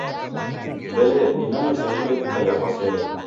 W'ele nani usekunde kukaia kwa sere?